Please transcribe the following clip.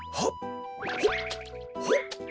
ほっほっ。